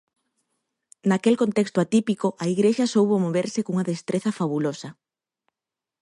Naquel contexto atípico, a igrexa soubo moverse cunha destreza fabulosa.